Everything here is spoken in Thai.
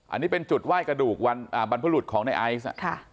อันนี้เป็นจุดไหว้กระดูกบรรพรุษของในไอซ์